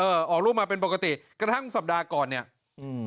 ออกรูปมาเป็นปกติกระทั่งสัปดาห์ก่อนเนี้ยอืม